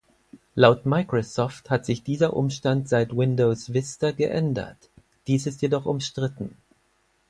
Laut Microsoft hat sich dieser Umstand seit Windows Vista geändert, dies ist jedoch umstritten.